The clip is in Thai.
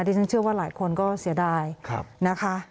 ที่ฉันเชื่อว่าหลายคนก็เสียดายนะคะ